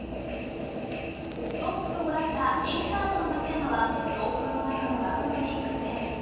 トップと５打差２位スタートの松山は強風の中のラウンドに苦戦。